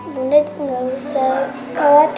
bunda tuh gak usah khawatir